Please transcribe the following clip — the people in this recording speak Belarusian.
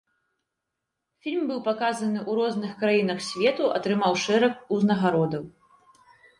Фільм быў паказаны ў розных краінах свету, атрымаў шэраг узнагародаў.